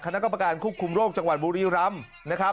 คณะกรรมการควบคุมโรคจังหวัดบุรีรำนะครับ